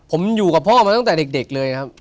ผมอยู่กับพ่อมาตั้งแต่เด็กเลยครับ